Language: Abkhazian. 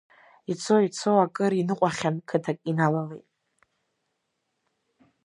Ицо, ицо акыр иныҟәахьан қыҭак иналалеит.